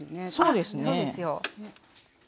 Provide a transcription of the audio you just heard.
あっそうですよ。